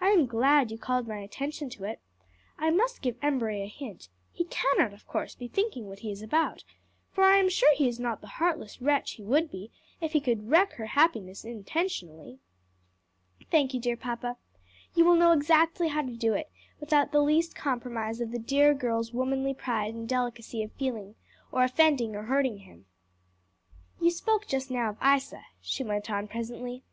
I am glad you called my attention to it. I must give Embury a hint: he cannot, of course, be thinking what he is about: for I am sure he is not the heartless wretch he would be if he could wreck her happiness intentionally." "Thank you, dear papa. You will know exactly how to do it without the least compromise of the dear girl's womanly pride and delicacy of feeling, or offending or hurting him. "You spoke just now of Isa," she went on presently.